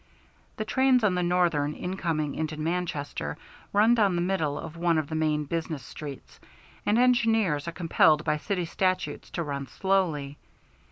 The trains on the Northern in coming into Manchester run down the middle of one of the main business streets, and engineers are compelled by city statutes to run slowly.